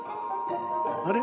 あれ？